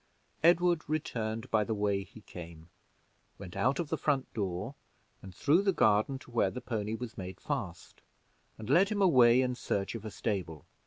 Edward returned by the way he came, went out of the front door and through the garden to where the pony was made fast, and led him away in search of a stable.